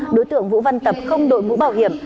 đối tượng vũ văn tập không đội mũ bảo hiểm